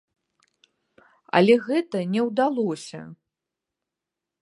Але гэта не ўдалося.